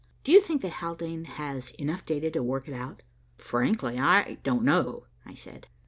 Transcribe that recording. Do you think that Haldane has enough data to work it out?" "Frankly, I don't know," I said.